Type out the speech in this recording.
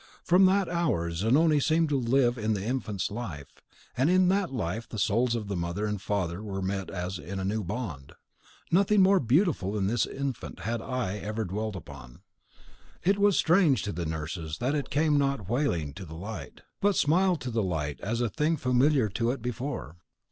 From that hour Zanoni seemed to live in the infant's life, and in that life the souls of mother and father met as in a new bond. Nothing more beautiful than this infant had eye ever dwelt upon. It was strange to the nurses that it came not wailing to the light, but smiled to the light as a thing familiar to it before.